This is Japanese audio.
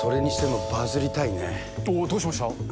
いや、どうしました？